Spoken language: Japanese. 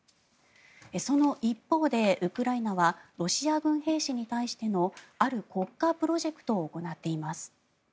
その一方でウクライナはロシア軍兵士に対してのある国家プロジェクトを行っています。